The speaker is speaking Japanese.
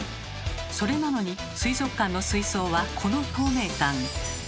それなのに水族館の水槽はこの透明感。